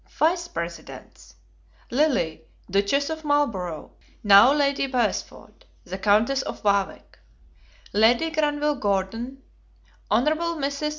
Vice presidents. Lily, Duchess of Marlborough, now Lady Wm. Beresford; the Countess of Warwick; Lady Granville Gordon; Hon. Mrs.